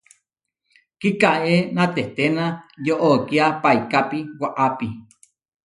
Kikaéna teténa yoʼókia paikapi waʼápi.